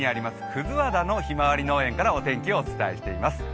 葛和田のひまわり農園からお天気をお伝えしています。